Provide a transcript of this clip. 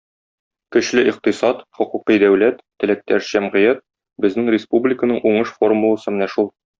Көчле икътисад, хокукый дәүләт, теләктәш җәмгыять - безнең республиканың уңыш формуласы менә шул.